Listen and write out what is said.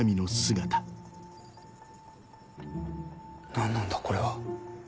何なんだこれは。